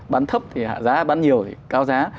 bán thấp thì hạ giá bán nhiều rồi cao giá